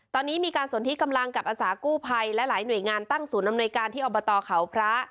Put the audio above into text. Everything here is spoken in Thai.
ตอนนี้มีการสนที่กำลังกับอาสากู้ภัยและหลายหน่วยงานตั้งศูนย์อำนวยการที่อบตเขาพระ